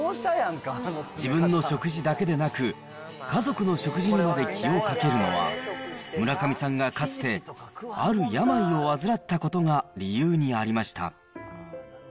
自分の食事だけでなく、家族の食事にまで気をかけるのは、村上さんがかつて、ある病を患ったことが理由にありました。